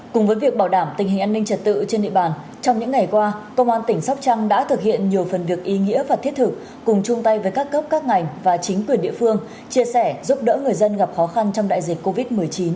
cùng với việc bảo đảm tình hình an ninh trật tự trên địa bàn trong những ngày qua công an tỉnh sóc trăng đã thực hiện nhiều phần việc ý nghĩa và thiết thực cùng chung tay với các cấp các ngành và chính quyền địa phương chia sẻ giúp đỡ người dân gặp khó khăn trong đại dịch covid một mươi chín